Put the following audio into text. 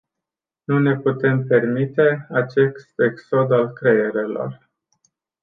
Nu ne putem permite acest exod al creierelor.